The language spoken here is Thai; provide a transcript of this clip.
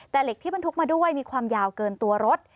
แต่เหล็กที่บรรทุกมาด้วยมีความยาวเกินตัวรถ